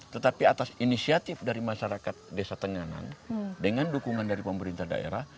tetapi atas inisiatif dari masyarakat desa tenganan dengan dukungan dari pemerintah daerah